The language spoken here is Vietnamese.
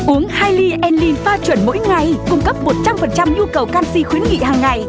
uống hai ly enlin pha chuẩn mỗi ngày cung cấp một trăm linh nhu cầu canxi khuyến nghị hằng ngày